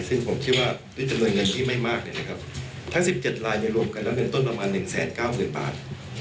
ซึ่งผมคิดว่าด้วยจำนวนเงินที่ไม่มากทั้ง๑๗ลายรวมกันแล้วเงินต้นประมาณ๑๙๐๐บาท